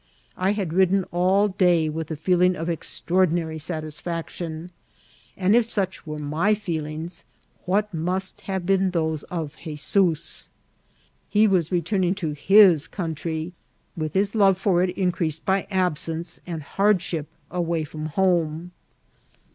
I had ridden all day with a feeling of extraordinary satisfaction; and if such were my feelings, what must have been those of *Hezoo6 ? He was returning to his coi](ntry, with his love for it increased by absence and hardship away item h(Hne.